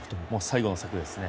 最後の策ですね。